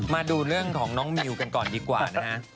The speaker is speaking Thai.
มาดูเรื่องของน้องมิวกันก่อนดีกว่านะฮะ